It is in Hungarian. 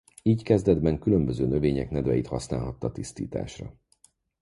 Így kezdetben különböző növények nedveit használhatta tisztításra.